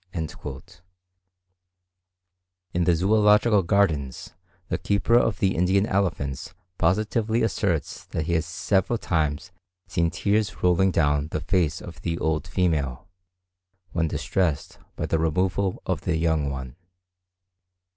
In the Zoological Gardens the keeper of the Indian elephants positively asserts that he has several times seen tears rolling down the face of the old female, when distressed by the removal of the young one.